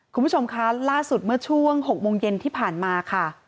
คุณผู้ชมคะล่าสุดเมื่อช่วง๖โมงเย็นที่ผ่านมาค่ะ